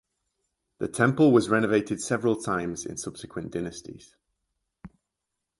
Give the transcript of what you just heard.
The temple was renovated several times in subsequent dynasties.